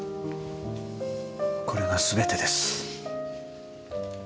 これがすべてです。